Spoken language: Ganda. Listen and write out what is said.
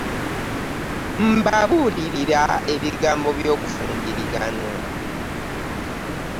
Mbabulirila ebigambo byo kufumbiriganwa.